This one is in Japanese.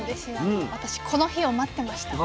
私この日を待ってました。